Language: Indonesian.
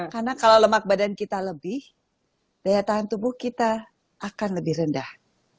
karena kalau lemak badan kita lebih daya tahan tubuh kita akan lebih rendah